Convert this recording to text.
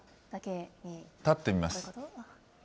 立って見ます。